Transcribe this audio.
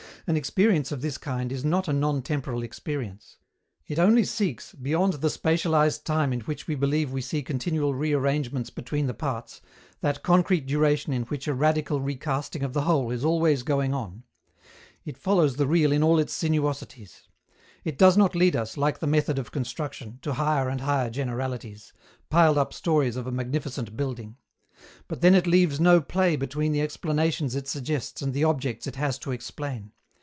An experience of this kind is not a non temporal experience. It only seeks, beyond the spatialized time in which we believe we see continual rearrangements between the parts, that concrete duration in which a radical recasting of the whole is always going on. It follows the real in all its sinuosities. It does not lead us, like the method of construction, to higher and higher generalities piled up stories of a magnificent building. But then it leaves no play between the explanations it suggests and the objects it has to explain.